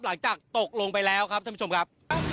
หลังจากตกลงไปแล้วครับท่านผู้ชมครับ